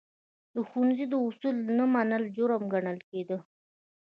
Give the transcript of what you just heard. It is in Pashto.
د ښوونځي د اصولو نه منل، جرم ګڼل کېده.